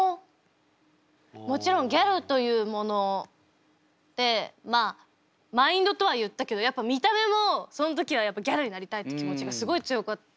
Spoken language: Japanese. もちろんギャルというものでまあマインドとは言ったけどやっぱ見た目もそん時はギャルになりたいって気持ちがすごい強かったんで。